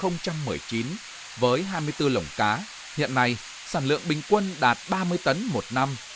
năm hai nghìn một mươi chín với hai mươi bốn lồng cá hiện nay sản lượng bình quân đạt ba mươi tấn một năm